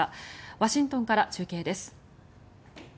ワシントンから中継です。